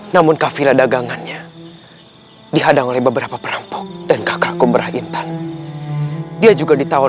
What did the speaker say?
namun kafila dagangannya dihadang oleh beberapa perampok dan kakakku merah intan dia juga ditawan